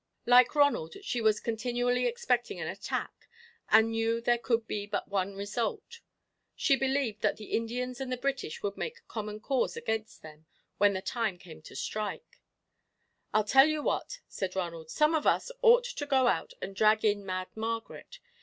Like Ronald, she was continually expecting an attack and knew there could be but one result. She believed that the Indians and the British would make common cause against them, when the time came to strike. "I'll tell you what," said Ronald, "some of us ought to go out and drag in Mad Margaret.